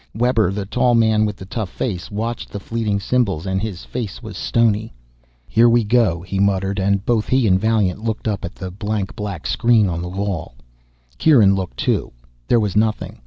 Webber, the tall man with the tough face, watched the fleeting symbols and his face was stony. "Here we go," he muttered, and both he and Vaillant looked up at the blank black screen on the wall. Kieran looked too. There was nothing.